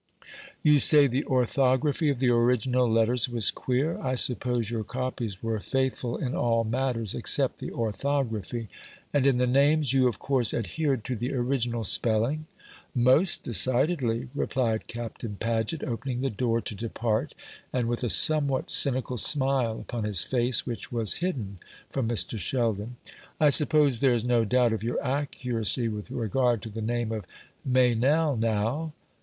"You say the orthography of the original letters was queer. I suppose your copies were faithful in all matters except the orthography. And in the names, you of course adhered to the original spelling?" "Most decidedly," replied Captain Paget, opening the door to depart, and with a somewhat cynical smile upon his face, which was hidden from Mr. Sheldon. "I suppose there is no doubt of your accuracy with regard to the name of Meynell, now?"